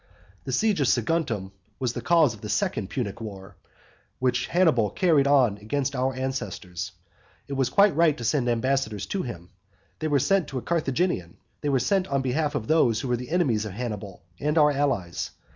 The siege of Saguntum was the cause of the second Punic war, which Hannibal carried on against our ancestors. It was quite right to send ambassadors to him. They were sent to a Carthaginian, they were sent on behalf of those who were the enemies of Hannibal, and our allies.